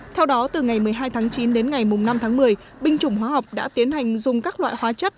theo đó từ ngày một mươi hai tháng chín đến ngày năm tháng một mươi binh chủng hóa học đã tiến hành dùng các loại hóa chất